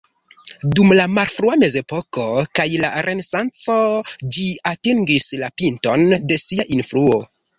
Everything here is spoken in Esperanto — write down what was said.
Dum la malfrua mezepoko kaj la renesanco ĝi atingis la pinton de sia influo.